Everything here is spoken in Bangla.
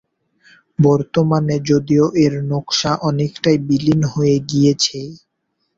বর্তমানে যদিও এর নকশা অনেকটাই বিলীন হয়ে গিয়েছে।